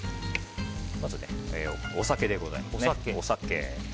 まずお酒でございます。